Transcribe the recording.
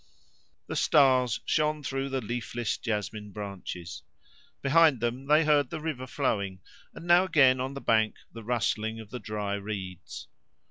The stars shone through the leafless jasmine branches. Behind them they heard the river flowing, and now and again on the bank the rustling of the dry reeds.